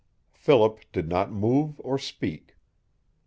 Philip did not move or speak.